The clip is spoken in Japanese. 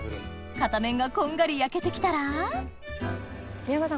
片面がこんがり焼けて来たら宮川さん